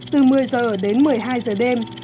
từ một mươi giờ đến một mươi hai giờ đêm